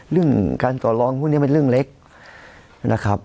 เรื่องการต่อรองพวกนี้เป็นเรื่องเล็กนะครับ